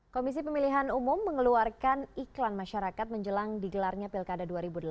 komisi pemilihan umum mengeluarkan iklan masyarakat menjelang digelarnya pilkada dua ribu delapan belas